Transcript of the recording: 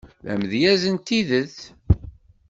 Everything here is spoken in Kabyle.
D amedyaz n tidet.